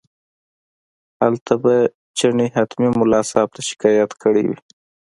هلته به چڼي حتمي ملا صاحب ته شکایت کړی وي.